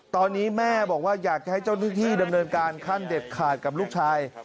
ตอนนี้แม่บอกว่าอยากจะให้เจ้าหน้าที่ดำเนินการขั้นเด็ดขาดกับลูกชาย